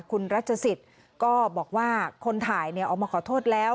คุณรัชสิทธิ์ก็บอกว่าคนถ่ายออกมาขอโทษแล้ว